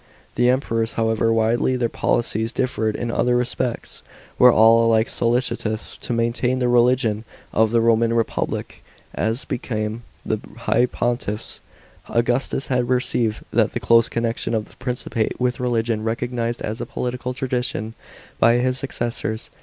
*§ 21. The Emperors, however widely their policies differed in other respects, were all alike solicitous to maintain the religion of the Roman republic, as became the high pontiffs. Augustus had perceived that the close connection of the Principate with religion would be a support for his government, and this principle was recognised as a political tradition by his successors.